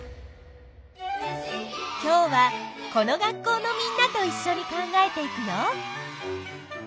今日はこの学校のみんなといっしょに考えていくよ。